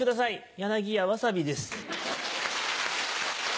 柳家わさびです。